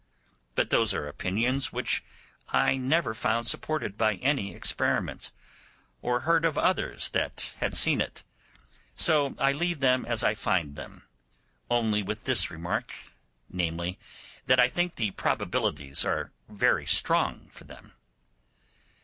But those are opinions which I never found supported by any experiments, or heard of others that had seen it; so I leave them as I find them; only with this remark, namely, that I think the probabilities are very strong for them.